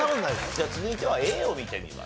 じゃあ続いてはＡを見てみましょう。